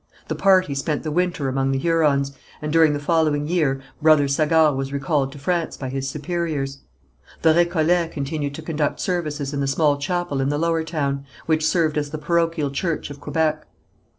The party spent the winter among the Hurons, and during the following year Brother Sagard was recalled to France by his superiors. The Récollets continued to conduct services in the small chapel in the Lower Town, which served as the parochial church of Quebec.